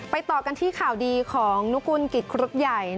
ต่อกันที่ข่าวดีของนุกุลกิจครุฑใหญ่